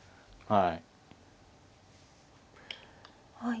はい。